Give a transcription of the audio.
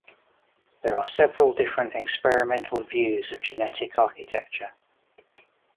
There are several different experimental views of genetic architecture.